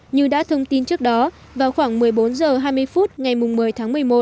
như đã thông tin trước đó vào khoảng một mươi bốn h hai mươi phút ngày một mươi tháng một mươi một